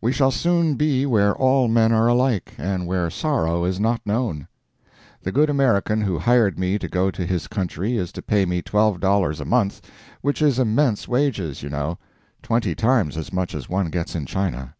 We shall soon be where all men are alike, and where sorrow is not known. The good American who hired me to go to his country is to pay me $12 a month, which is immense wages, you know twenty times as much as one gets in China.